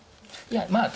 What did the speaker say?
いやまあ